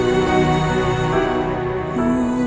untuk mencium tangannya